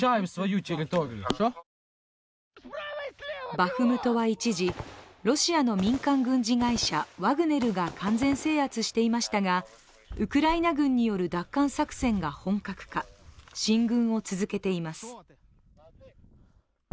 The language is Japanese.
バフムトは一時、ロシアの民間軍事会社ワグネルが完全制圧していましたが、ウクライナ軍による奪還作戦が本格化進軍を続けています。